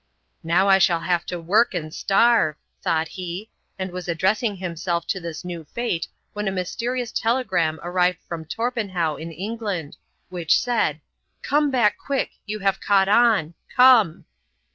"Now I shall have to work and starve!" thought he, and was addressing himself to this new fate when a mysterious telegram arrived from Torpenhow in England, which said, "Come back, quick; you have caught on. Come."